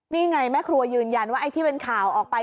นี่ไงแม่ครัวยืนยันว่าไอ้ที่เป็นข่าวออกไป